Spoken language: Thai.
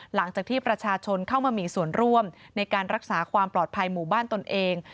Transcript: หลังจากที่ประชาชนเข้ามามีส่วนร่วมในการรักษาความปลอดภัยหมู่บ้านตนเอง